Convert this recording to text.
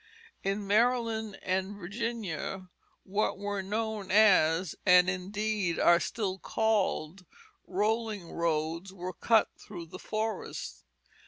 In Maryland and Virginia what were known as, and indeed are still called, rolling roads were cut through the forest.